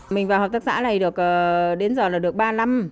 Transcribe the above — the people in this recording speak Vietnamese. mình vào hợp tác xã này đến giờ là được ba năm